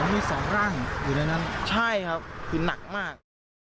มีสองร่างอยู่ในนั้นใช่ครับคือหนักมาก